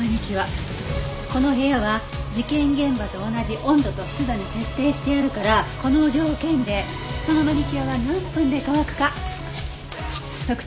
この部屋は事件現場と同じ温度と湿度に設定してあるからこの条件でそのマニキュアは何分で乾くか測定するの。